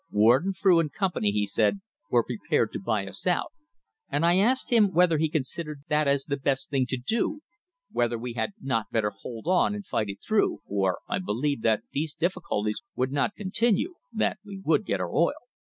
Warden, Frew and Com pany, he said, were prepared to buy us out, and I asked him whether he considered that as the best thing to do; whether we had riot better hold on and fight it through, for I believed that these difficulties would not continue; that we would get our oil.